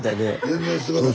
全然すごない。